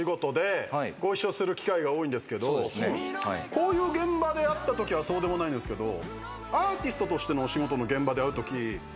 こういう現場で会ったときはそうでもないんですけど。